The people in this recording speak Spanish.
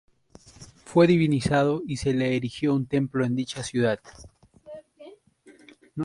Fue divinizado y se le erigió un templo en dicha ciudad.